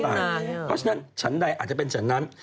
เพราะฉะนั้นฉันใดอาจจะเป็นฉันนั้น